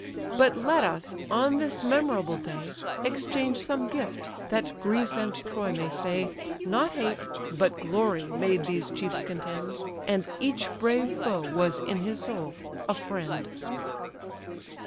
But let us, on this memorable day, Exchange some gift: that Greece and Troy may say, 'Not hate, but glory, made these chiefs contend; And each brave foe was in his soul a friend.